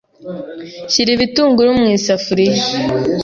Shyira ibitunguru mu isafuriya,